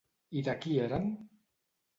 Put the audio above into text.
I de qui eren?